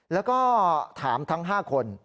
แล้วก็ถามทั้ง๕คน